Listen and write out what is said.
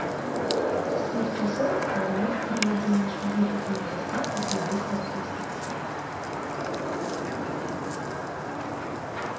З тых часоў стаў месцам правядзення шматлікіх маніфестацый і выставак мастацтва.